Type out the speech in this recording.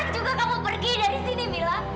juga kamu pergi dari sini mila